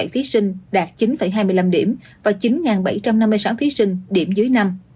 một mươi thí sinh đạt chín hai mươi năm điểm và chín bảy trăm năm mươi sáu thí sinh điểm dưới năm